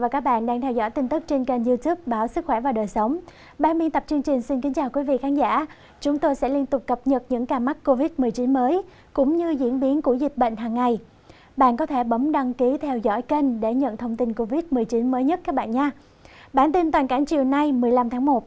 cảm ơn các bạn đã theo dõi và ủng hộ cho bản tin toàn cảnh chiều nay một mươi năm tháng một